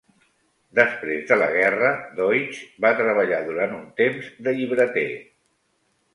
Després de la guerra, Deutsch va treballar durant un temps de llibreter.